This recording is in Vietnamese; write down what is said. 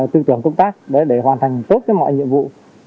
tư tưởng công tác để hoàn thành tốt mọi nhiệm vụ